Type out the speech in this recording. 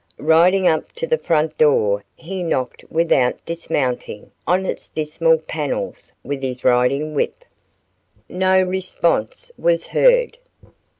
Riding up to the front door he knocked without dismounting, on its dismal panels with his riding whip. No response was heard.